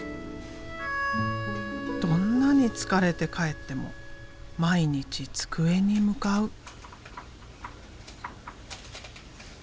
どんなに疲れて帰っても毎日机に向かう。